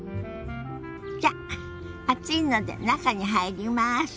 じゃ暑いので中に入ります。